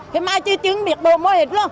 thế mai chưa biết bộ mua hết luôn